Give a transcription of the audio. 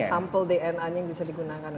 tidak ada sampel dna yang bisa digunakan